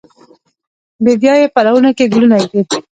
بیدیا یې پلونو کې ګلونه ایږدي